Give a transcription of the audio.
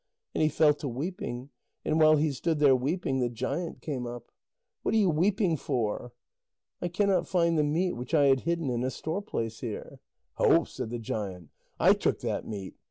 And he fell to weeping, and while he stood there weeping, the giant came up. "What are you weeping for?" "I cannot find the meat which I had hidden in a store place here." "Ho," said the giant, "I took that meat.